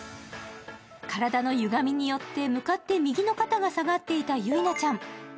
体のゆがみによって向かって右の肩が下がっていたゆいなちゃん。